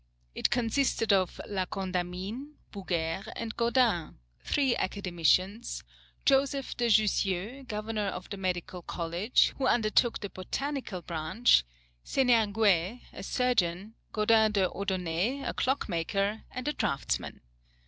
It consisted of La Condamine, Bouguer, and Godin, three Academicians, Joseph de Jussieu, Governor of the Medical College, who undertook the botanical branch, Seniergues, a surgeon, Godin des Odonais, a clock maker, and a draughtsman.